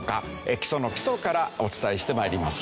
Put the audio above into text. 基礎の基礎からお伝えして参ります。